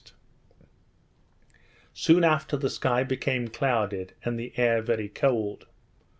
Soon after, the sky became clouded, and the air very cold.